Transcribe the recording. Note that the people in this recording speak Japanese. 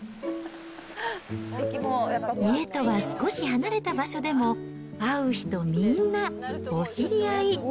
家とは少し離れた場所でも、会う人みんな、お知り合い。